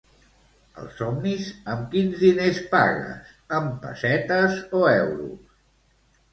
Als somnis amb quins diners pagues amb pessetes o euros?